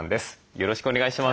よろしくお願いします。